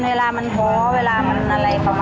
เวลามันท้อเวลามันอะไรประมาณ